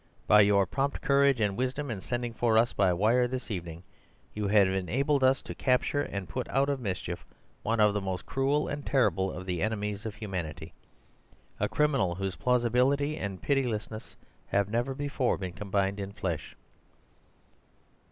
By your prompt courage and wisdom in sending for us by wire this evening, you have enabled us to capture and put out of mischief one of the most cruel and terrible of the enemies of humanity— a criminal whose plausibility and pitilessness have never been before combined in flesh."